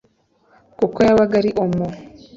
kuko yabaga ari omo